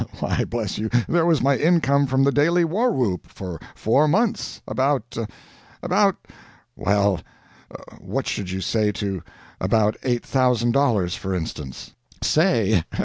Why bless you, there was my income from the Daily Warwhoop for four months about about well, what should you say to about eight thousand dollars, for instance?" "Say!